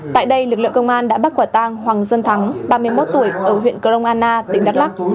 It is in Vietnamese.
tại đây lực lượng công an đã bắt quả tang hoàng dân thắng ba mươi một tuổi ở huyện crong anna tỉnh đắk lắc